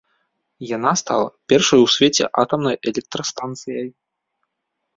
Яна стала першай у свеце атамнай электрастанцыяй.